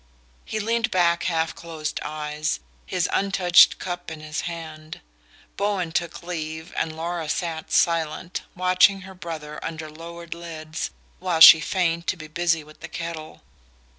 He leaned back with half closed eyes, his untouched cup in his hand. Bowen took leave, and Laura sat silent, watching her brother under lowered lids while she feigned to be busy with the kettle.